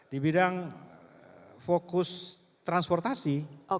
di bidang fokus transportasi